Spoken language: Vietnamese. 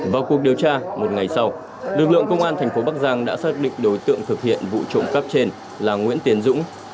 vào cuộc điều tra một ngày sau lực lượng công an thành phố bắc giang đã xác định đối tượng thực hiện vụ trộm cắp trên là nguyễn tiến dũng